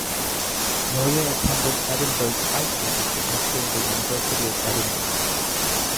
Moir attended Edinburgh High School before entering the University of Edinburgh.